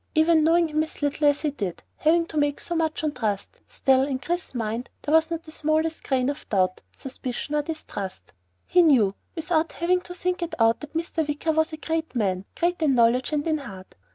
Even knowing him as little as he did, having to take so much on trust, still, in Chris's mind there was no smallest grain of doubt, suspicion, or distrust. He knew, without having to think it out, that Mr. Wicker was a great man, great in knowledge and in heart.